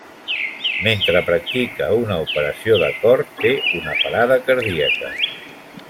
Mentre practica una operació de cor, té una parada cardíaca.